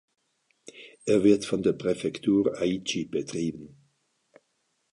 Er wird von der Präfektur Aichi betrieben.